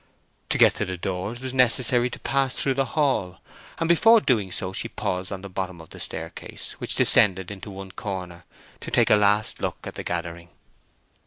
To get to the door it was necessary to pass through the hall, and before doing so she paused on the bottom of the staircase which descended into one corner, to take a last look at the gathering.